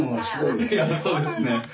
いやそうですね。